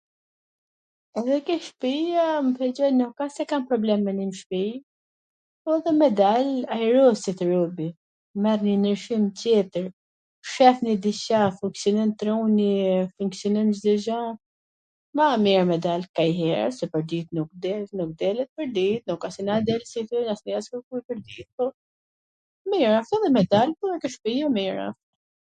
me nenj ke shpia m pwlqen, nuk asht se kam problem me nenj n shpi, po dhe me dal ajroset robi, merr njw ndryshim tjetwr, shef njw diCa, funksionon truni, funksionon Cdo gja. ma mir me dal kanjhere se pwrdit nuk delet, nuk delet pwrdit, nuk a se na ... mir asht edhe me dal edhe ke shpia mir a.